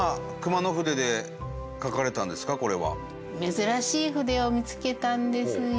珍しい筆を見つけたんですよ。